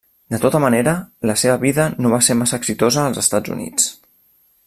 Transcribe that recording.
De tota manera, la seva vida no va ser massa exitosa als Estats Units.